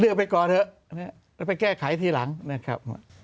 เอาไปก่อนเถอะแล้วไปแก้ไขทีหลังนะครับ